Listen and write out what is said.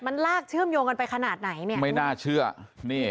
มันลากเชื่อมโยงกันไปขนาดไหนเนี่ยไม่น่าเชื่อนี่